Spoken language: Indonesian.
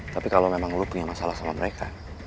tapi kalau memang lu punya masalah sama mereka